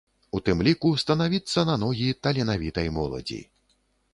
У тым ліку станавіцца на ногі таленавітай моладзі.